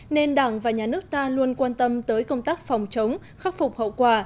nên đảng và nhà nước ta luôn quan tâm tới công tác phòng chống khắc phục hậu quả